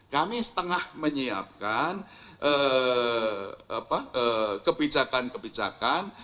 kami setengah menyiapkan kebijakan kebijakan